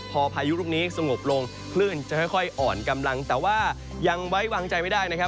พอพายุลูกนี้สงบลงคลื่นจะค่อยอ่อนกำลังแต่ว่ายังไว้วางใจไม่ได้นะครับ